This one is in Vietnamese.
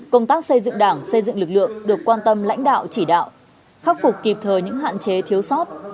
công tác xây dựng đảng xây dựng lực lượng được quan tâm lãnh đạo chỉ đạo khắc phục kịp thời những hạn chế thiếu sót